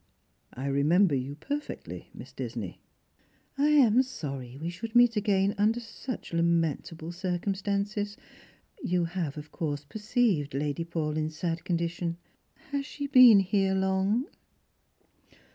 " I remember you perfectly, Miss Disney." " I am sorry we should meet again under such lamentable circumstances. You have of course perceived poor Lady Paulyn's sad condition ? Has she been here long